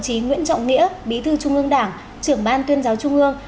tổ chí nguyễn trọng nĩa bí thư trung ương đảng trưởng ban tuyên giáo trung ương